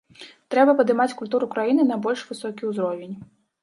Трэба падымаць культуру краіны на больш высокі ўзровень.